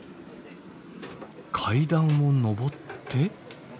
階段を上って。